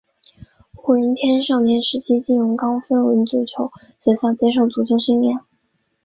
胡人天少年时期进入高丰文足球学校接受足球训练。